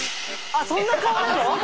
あっそんな顔なの？